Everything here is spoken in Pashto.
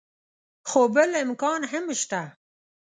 خو بل امکان هم شته.